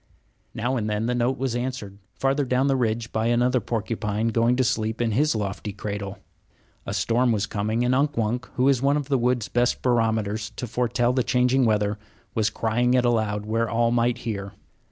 Now and then the note was answered, farther down the ridge, by another porcupine going to sleep in his lofty cradle. A storm was coming; and Unk Wunk, who is one of the wood's best barometers to foretell the changing weather, was crying it aloud where all might hear.